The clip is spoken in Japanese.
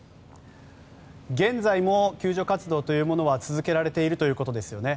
現在も救助活動が続けられているということですよね？